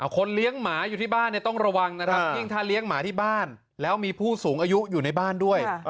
คนเลี้ยงหมาอยู่ที่บ้านต้องระวังนะครับยิ่งถ้าเลี้ยงหมาที่บ้านแล้วมีผู้สูงอายุอยู่ในบ้านด้วย